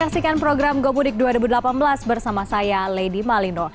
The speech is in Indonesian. terima kasih program gopudik dua ribu delapan belas bersama saya lady malino